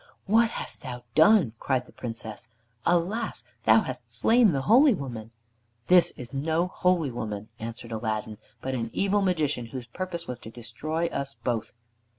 "What hast thou done?" cried the Princess. "Alas! thou hast slain the holy woman." "This is no holy woman," answered Aladdin, "but an evil Magician whose purpose was to destroy us both."